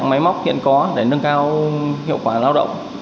máy móc hiện có để nâng cao hiệu quả lao động